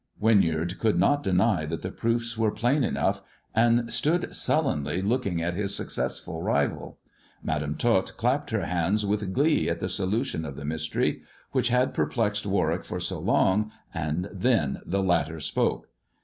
'' Winyard could not deny that the proofs were plain enough, and stood sullenly looking at his successful rival. Madam Tot clapped her hands with glee at the solution of the mystery which had perplexed Warwick for so long, and then the latter spoke.